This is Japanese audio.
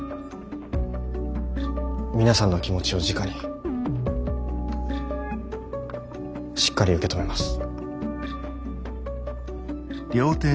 皆さんの気持ちをじかにしっかり受け止めます。